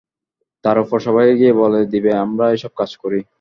তার উপর সবাইকে গিয়ে বলে দিবে আমরা এসব কাজ করি।